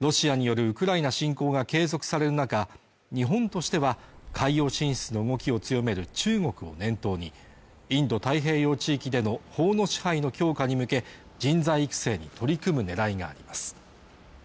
ロシアによるウクライナ侵攻が継続される中日本としては海洋進出の動きを強める中国を念頭にインド太平洋地域での法の支配の強化に向け人材育成に取り組む狙いがあります